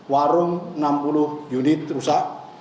warung enam puluh unit rusak